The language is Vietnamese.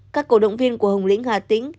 các cổ động viên của hồng lĩnh hà tĩnh